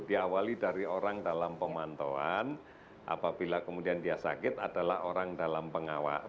diawali dari orang dalam pemantauan apabila kemudian dia sakit adalah orang dalam pengawasan